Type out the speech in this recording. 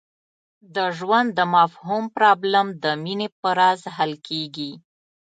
د ژوند د مفهوم پرابلم د مینې په راز حل کېږي.